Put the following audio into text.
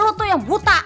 lu tuh yang buta